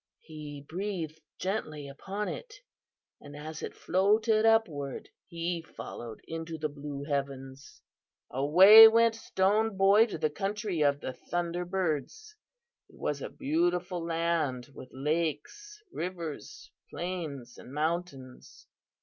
He breathed gently upon it, and as it floated upward he followed into the blue heavens. "Away went Stone Boy to the country of the Thunder Birds. It was a beautiful land, with lakes, rivers, plains and mountains.